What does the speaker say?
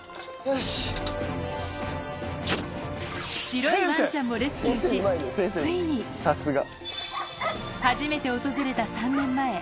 白いわんちゃんもレスキューし、ついに、初めて訪れた３年前。